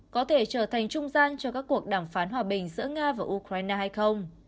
có thể trở thành trung gian cho các cuộc đàm phán hòa bình giữa nga và ukraine hay không